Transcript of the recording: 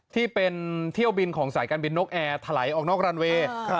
ที่เป็นเที่ยวบินของสายการบินนกแอร์ถลายออกนอกรันเวย์